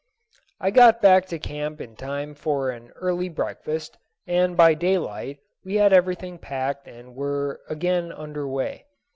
I got back to camp in time for an early breakfast, and by daylight we had everything packed and were again under way.